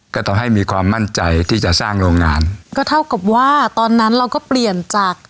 ก็ต้องให้มีความมั่นใจที่จะสร้างโรงงานก็เท่ากับว่าตอนนั้นเราก็เปลี่ยนจาก